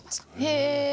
へえ！